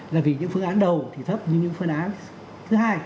là vì những phương án đầu thì thấp như những phương án thứ hai